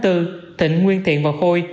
tỉnh nguyên thiện và khôi